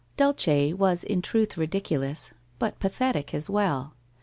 Dulce was in truth ridiculous, but pathetic as well.